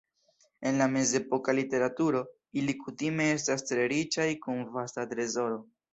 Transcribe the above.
En la mezepoka literaturo, ili kutime estas tre riĉaj kun vasta trezoro.